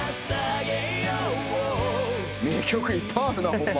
名曲いっぱいあるなホンマ。